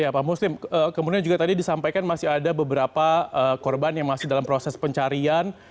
ya pak muslim kemudian juga tadi disampaikan masih ada beberapa korban yang masih dalam proses pencarian